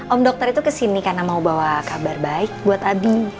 om dokter itu kesini karena mau bawa kabar baik buat abi